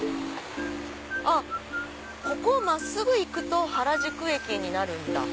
あっここを真っすぐ行くと原宿駅になるんだ。